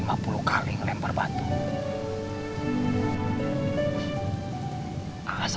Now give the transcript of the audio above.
aku udah disenang baik baik aja